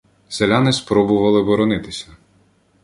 Селяни спробували боронитися.